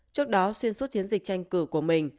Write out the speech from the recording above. trước đó xuyên suốt chiến dịch tranh cử của mình